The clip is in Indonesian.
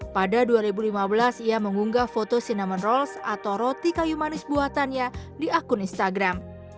pada dua ribu lima belas ia mengunggah foto cinnamon rolls atau roti kayu manis buatannya di akun instagram